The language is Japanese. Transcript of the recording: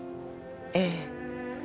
ええ。